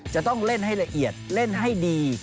จะต้องเล่นให้ละเอียดเล่นให้ดี